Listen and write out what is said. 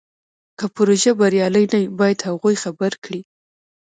که پروژه بریالۍ نه وي باید هغوی خبر کړي.